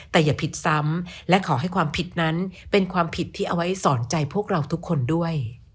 แต่อย่าผิดซ้ำและขอให้ความผิดนั้นเป็นความผิดที่เอาไว้สอนใจพวกเราทุกคนด้วย